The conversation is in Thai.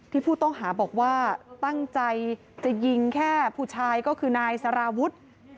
ผู้ต้องหาบอกว่าตั้งใจจะยิงแค่ผู้ชายก็คือนายสารวุฒิ